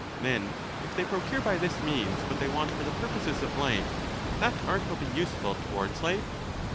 Then if they procure by this means what they want for the purposes of life, that art will be useful towards life?